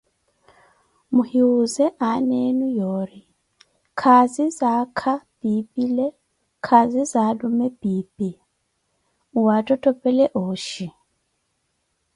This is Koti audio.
Muhiwuuze aana enu yoori, khaazi za aakha pipile, khaazi za alume piipi, nwattottopele ooxhi.